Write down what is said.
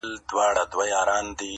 په نیژدې لیري ښارو کي آزمېیلی-